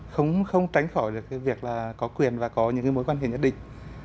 không tránh khỏi được cái việc là có quyền và có những cái mối quan hệ nhất định